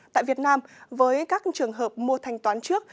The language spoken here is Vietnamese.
tại việt nam với các trường hợp mua thanh toán trước